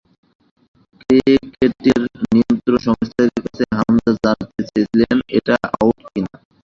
ক্রিকেটের নিয়ন্ত্রক সংস্থাটির কাছে হামজা জানতে চেয়েছিলেন, এটা আউট কি না?